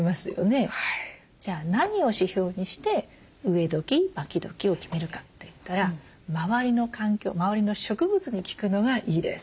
じゃあ何を指標にして植えどきまきどきを決めるかといったら周りの環境周りの植物に聞くのがいいです。